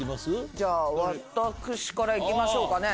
じゃあ、私からいきましょうかね。